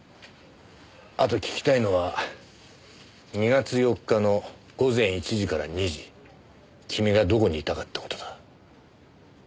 あと聞きたいのは２月４日の午前１時から２時君がどこにいたかって事だ。